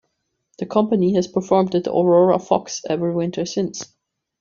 The company has performed at the Aurora Fox every winter since.